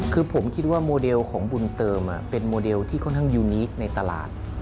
คือผมคิดว่าโมเดลของบุญเติมเป็นโมเดลที่ค่อนข้างยูนิคในตลาด